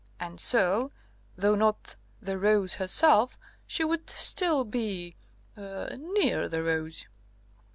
And so, though not the rose herself, she would still be er near the rose!"